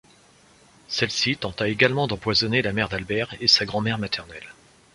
Celle-ci tenta également d'empoisonner la mère d'Albert et sa grand-mère maternelle.